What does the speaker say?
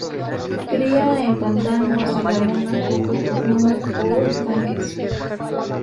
Cría en pantanos y lagunas pocos profundas, o estanques.